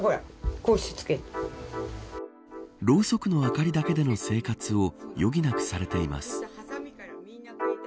ろうそくの明かりだけでの生活を余儀なくされています。